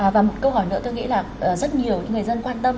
và một câu hỏi nữa tôi nghĩ là rất nhiều những người dân quan tâm